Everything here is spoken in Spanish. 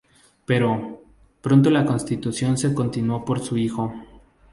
Pero, pronto la construcción se continuó por su hijo.